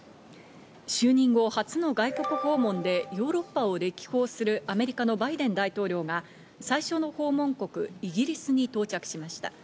就任後、初の外国訪問でヨーロッパを歴訪するアメリカのバイデン大統領が最初の訪問国、イギリスに到着しました。